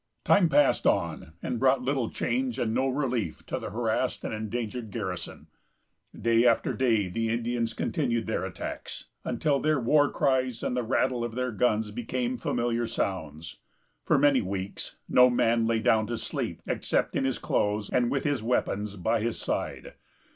Time passed on, and brought little change and no relief to the harassed and endangered garrison. Day after day the Indians continued their attacks, until their war cries and the rattle of their guns became familiar sounds. For many weeks, no man lay down to sleep, except in his clothes, and with his weapons by his side.